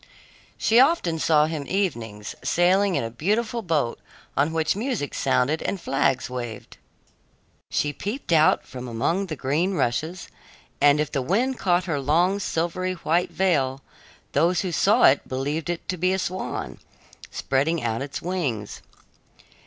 She often saw him evenings, sailing in a beautiful boat on which music sounded and flags waved. She peeped out from among the green rushes, and if the wind caught her long silvery white veil, those who saw it believed it to be a swan, spreading out its wings.